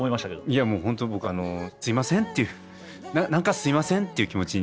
いやもうホント僕すいませんっていう何かすいませんっていう気持ち。